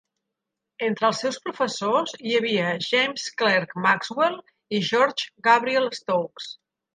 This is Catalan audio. Entre els seus professors hi havia James Clerk Maxwell i George Gabriel Stokes.